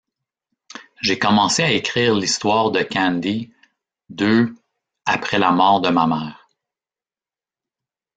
J’ai commencé à écrire l’histoire de Candy deux après la mort de ma mère.